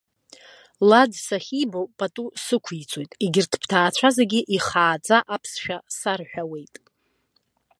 Лад сахьибо пату сықәиҵоит, егьырҭ бҭаацәа зегьы ихааӡа аԥсшәа сарҳәауеит.